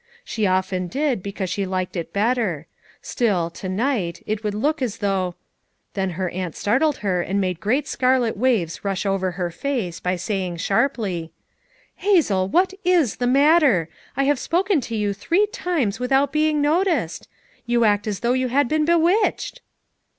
She often did, because she liked it better; still, to night, it would look as though— Then her aunt startled her and made great scarlet wave3 rush over her face by saying sharply: " Hazel, what is the matter! I have spoken to you three times without being noticed; you act as though you had been bewitched.